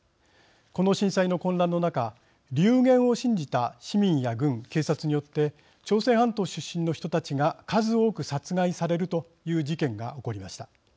この震災の混乱の中流言を信じた市民や軍警察によって朝鮮半島出身の人たちが数多く殺害されるという事件が起こりました。